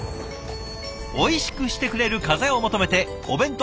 おいしくしてくれる風を求めてお弁当